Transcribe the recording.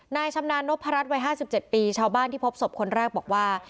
ชำนาญนพรัชวัย๕๗ปีชาวบ้านที่พบศพคนแรกบอกว่า